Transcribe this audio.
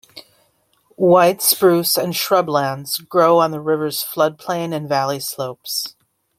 White spruce and shrublands grow on the river's floodplain and valley slopes.